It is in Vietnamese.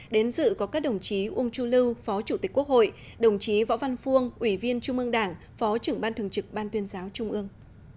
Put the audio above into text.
đến dự có các đồng chí uông chu lưu phó chủ tịch quốc hội đồng chí võ văn phuông ủy viên trung ương đảng phó trưởng ban thường trực ban tuyên giáo trung ương